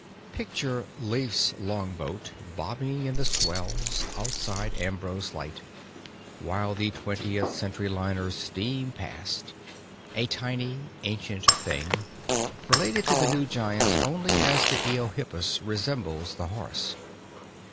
4 PICTURE Leif's longboat bobbing in the swells outside Ambrose Light, while the twentieth century liners steam past; a tiny, ancient thing, related to the new giants only as the Eohippus resembles the horse.